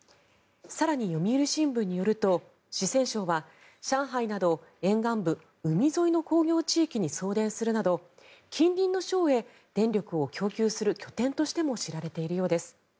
更に、読売新聞によると四川省は上海など沿岸部、海沿いの工業地域に送電するなど近隣の省へ電力を供給する拠点としても知られているようです。